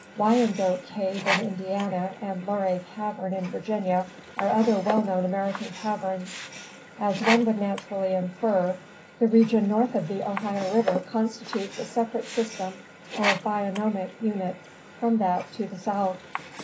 Wyandotte Cave in Indiana and Luray Cavern in Virginia are other well known American caverns. As one would naturally infer, the region north of the Ohio River constitutes a separate system or bionomic unit from that to the south.